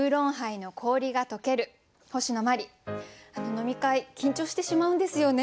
飲み会緊張してしまうんですよね。